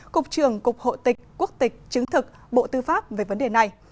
cục trưởng cục hộ tịch quốc tịch chứng thực bộ tư pháp về vấn đề này